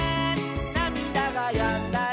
「なみだがやんだら」